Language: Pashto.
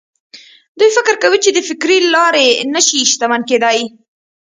دوی فکر کوي چې د فکري لارې نه شي شتمن کېدای.